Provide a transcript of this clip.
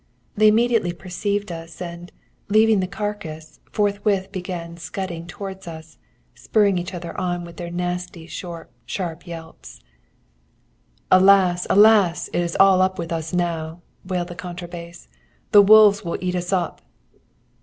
"They immediately perceived us, and, leaving the carcase, forthwith began scudding towards us, spurring each other on with their nasty short sharp yelps. "'Alas, alas! It is all up with us now!' wailed the contra bass. 'The wolves will eat us up.'